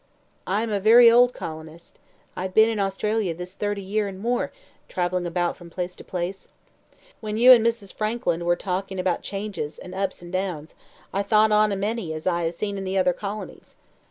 "I am a very old colonist. I have been in Australia this thirty year and more, travelling about from place to place. When you and Mrs. Frankland were talking about changes and ups and downs, I thought on a many as I have seen in the other colonies.